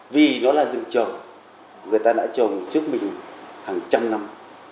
vì đó là rừng trồng người ta đã trồng trước mình hàng trăm năm